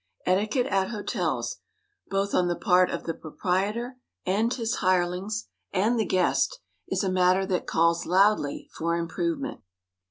Etiquette at hotels, both on the part of the proprietor, and his hirelings, and the guest, is a matter that calls loudly for improvement.